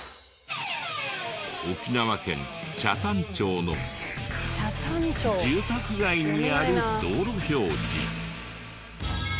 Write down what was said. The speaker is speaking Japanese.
沖縄県北谷町の住宅街にある道路標示。